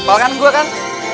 apal kan gua kan